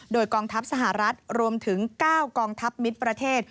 โดยกองทัพสหรัฐรวมถึง๙กองทัพมิตรประเทศ